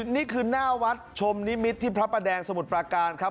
นี่คือหน้าวัดชมนิมิตรที่พระประแดงสมุทรปราการครับ